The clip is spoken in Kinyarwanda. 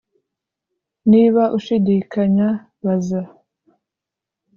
niba ushidikanya baza